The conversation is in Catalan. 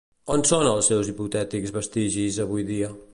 On són els seus hipotètics vestigis, avui dia?